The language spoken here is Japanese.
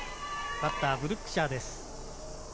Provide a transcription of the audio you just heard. バッター・ブルックシャーです。